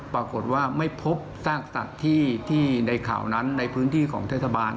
ปรากฏว่าไม่พบซากสัตว์ที่ในข่าวนั้นในพื้นที่ของเทศบาล